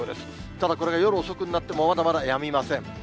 ただ、これが夜遅くになってもまだまだやみません。